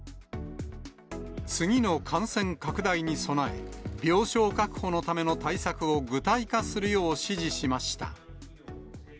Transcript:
次の感染拡大に備え、病床確保のための対策を具体化するよう指示しました。